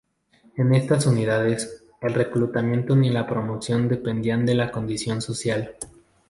En estas unidades, el reclutamiento ni la promoción dependían de la condición social.